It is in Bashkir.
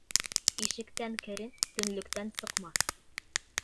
Ишектән керен, төнлөктән сыҡма.